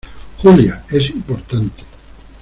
Julia, es importante.